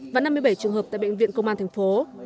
và năm mươi bảy trường hợp tại bệnh viện công an thành phố